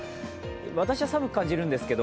私は寒く感じるんですけど。